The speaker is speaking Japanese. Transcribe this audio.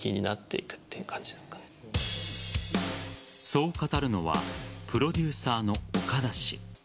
そう語るのはプロデューサーの岡田氏。